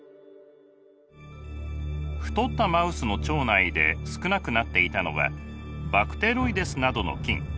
太ったマウスの腸内で少なくなっていたのはバクテロイデスなどの菌。